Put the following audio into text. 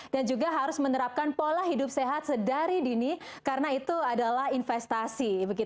dan juga harus menerapkan pola hidup sehat sedari dini karena itu adalah investasi